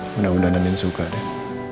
mudah mudahan suka deh